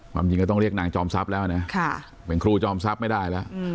จริงก็ต้องเรียกนางจอมทรัพย์แล้วนะเป็นครูจอมทรัพย์ไม่ได้แล้ว